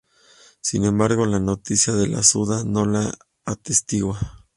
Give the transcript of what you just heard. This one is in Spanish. Sin embargo, la noticia de la "Suda" no lo atestigua.